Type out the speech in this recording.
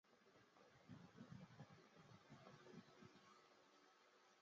昭和天皇依立宪君主惯例不直接公开发言。